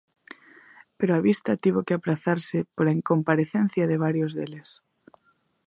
Pero a vista tivo que aprazarse pola incomparecencia de varios deles.